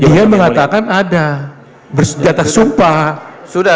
dia mengatakan ada